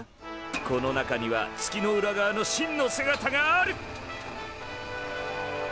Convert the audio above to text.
この中には月の裏側の真の姿がある！